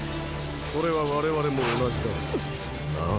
それは我々も同じだろう。なあ？